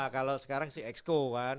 kalau sekarang sih exco kan